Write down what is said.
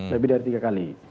lebih dari tiga kali